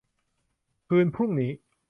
คืนพรุ่งนี้